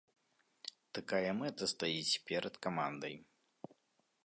Такая мэта стаіць перад камандай.